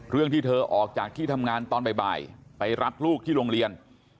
ที่เธอออกจากที่ทำงานตอนบ่ายไปรับลูกที่โรงเรียน